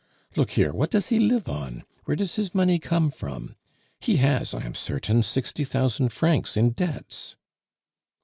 Look here, what does he live on? Where does his money come from? He has, I am certain, sixty thousand francs in debts."